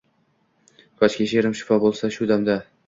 Koshki she’rim shifo bo’lsa shu damda